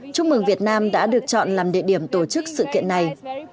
chúc mừng việt nam đã được chọn làm địa điểm tổ chức sự kiện này